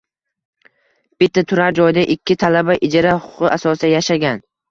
Bitta turar joyda ikki talaba ijara huquqi asosida yashagan